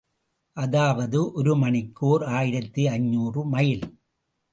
அதாவது, ஒரு மணிக்கு ஓர் ஆயிரத்து ஐநூறு மைல்.